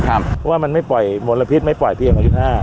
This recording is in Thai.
เพราะว่ามันไม่ปล่อยมลพิษไม่ปล่อยเพียงวันที่๑๕